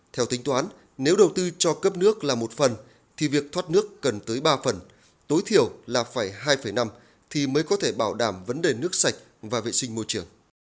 theo tính toán nếu đầu tư cho cấp nước là một phần thì việc thoát nước cần tới ba phần tối thiểu là phải hai năm thì mới có thể bảo đảm vấn đề nước sạch và vệ sinh môi trường